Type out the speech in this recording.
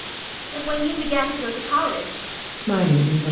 But when you began to go to college